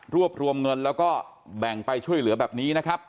รวบรวมเงินแล้วก็แบ่งไปช่วยเหลือแบบนี้